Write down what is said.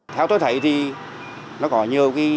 theo tôi thấy thì nó có nhiều cái